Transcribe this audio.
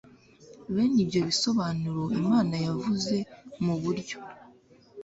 bene ibyo bisobanuro imana yavuze mu buryo